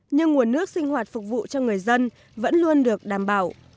nhưng nguồn nước sinh hoạt phục vụ cho người dân vẫn luôn được đảm bảo